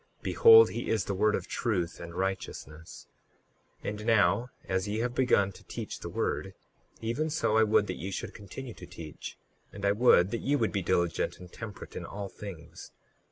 Behold, he is the word of truth and righteousness. 38:10 And now, as ye have begun to teach the word even so I would that ye should continue to teach; and I would that ye would be diligent and temperate in all things.